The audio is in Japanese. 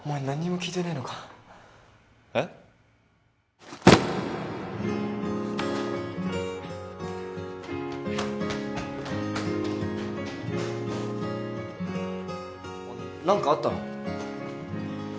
何かあったの？